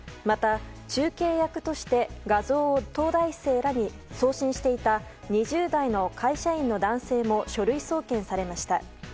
また、中継役として画像を東大生らに送信していた２０代の会社員の男性も書類送検されました。